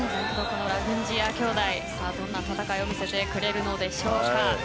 ラグンジヤ兄弟どんな戦いを見せてくれるんでしょうか。